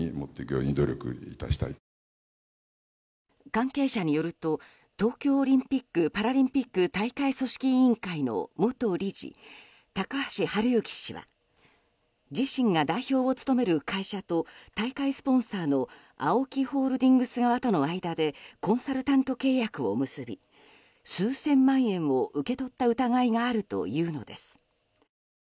関係者によると東京オリンピック・パラリンピック大会組織委員会の元理事高橋治之氏は自身が代表を務める会社と大会スポンサーのＡＯＫＩホールディングスとの間でコンサルタント契約を結び数千万円を受け取った疑いがあるというンです。